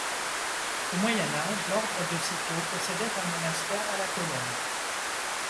Au Moyen Âge, l’ordre de Cîteaux possédait un monastère à La Colombe.